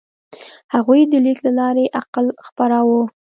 هغوی د لیک له لارې عقل خپراوه.